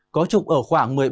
có trục ở khoảng